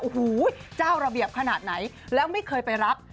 โอ้โหเจ้าระเบียบขนาดไหนแล้วไม่เคยไปรับ